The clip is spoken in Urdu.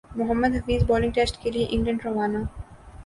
محمد حفیظ بالنگ ٹیسٹ کیلئے انگلینڈ روانہ